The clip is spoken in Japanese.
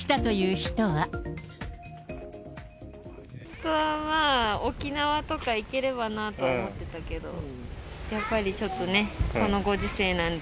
本当はまあ、沖縄とか行ければなと思ってたけど、やっぱりちょっとね、このご時世なんで。